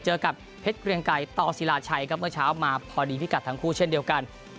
เจอกับเพชรเกรียงไกรต่อศิลาชัยครับเมื่อเช้ามาพอดีพิกัดทั้งคู่เช่นเดียวกัน